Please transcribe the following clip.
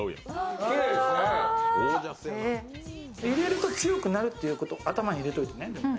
入れると強くなること頭に入れておいてね。